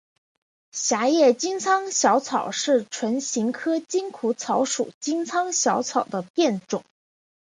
狭叶金疮小草是唇形科筋骨草属金疮小草的变种。